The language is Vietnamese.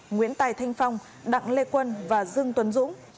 nguyễn tài thanh phong đặng lê quân và dương tuấn dũng